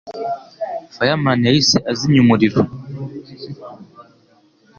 Fireman yahise azimya umuriro.